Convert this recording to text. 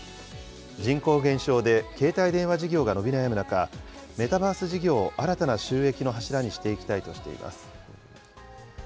人口減少で携帯電話事業が伸び悩む中、メタバース事業を新たな収益の柱にしていきたいとしています。